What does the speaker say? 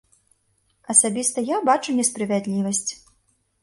Асабіста я бачу несправядлівасць.